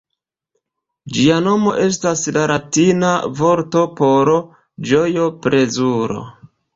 Ĝia nomo estas la latina vorto por ĝojo, plezuro.